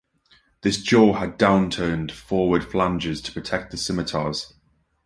This jaw had down-turned forward flanges to protect the scimitars.